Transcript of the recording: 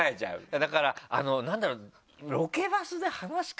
だから何だろう？